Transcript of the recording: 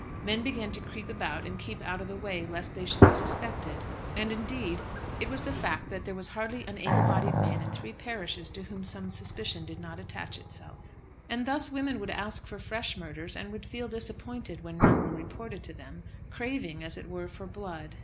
Men began to creep about and keep out of the way lest they should be suspected; and, indeed, it was the fact that there was hardly an able bodied man in three parishes to whom some suspicion did not attach itself. And thus the women would ask for fresh murders, and would feel disappointed when none were reported to them, craving, as it were, for blood.